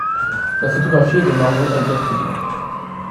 La photographie est de Mario Albertelli.